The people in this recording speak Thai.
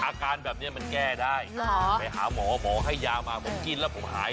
อาการแบบนี้มันแก้ได้ไปหาหมอหมอให้ยามาผมกินแล้วผมหาย